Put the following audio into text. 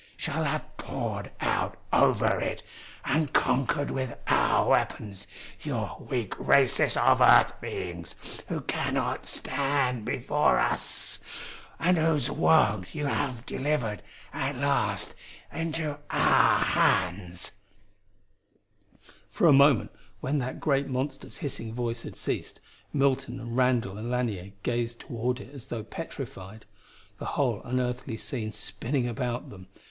Shall have poured out over it and conquered with our weapons your weak races of Earth beings, who cannot stand before us, and whose world you have delivered at last into our hands!" For a moment, when the great monster's hissing voice had ceased, Milton and Randall and Lanier gazed toward it as though petrified, the whole unearthly scene spinning about them.